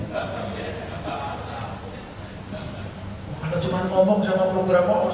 kalau cuma ngomong sama beberapa orang